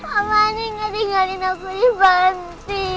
mama ini gak ninggalin aku di panti